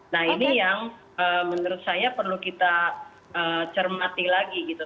nah ini yang menurut saya perlu kita cermati lagi gitu